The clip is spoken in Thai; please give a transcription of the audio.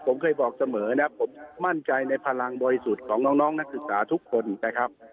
ผมเคยบอกเสมอนะผมมั่นใจในพลังบริสุทธิ์ของน้องนักศึกษาทุกคนนะครับ